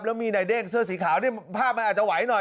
แล้วมีนายเด้งเสื้อสีขาวนี่ภาพมันอาจจะไหวหน่อย